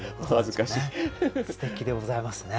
すてきでございますね。